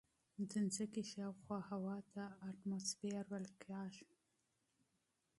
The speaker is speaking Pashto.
د ځمکې شاوخوا هوا ته اتموسفیر ویل کیږي.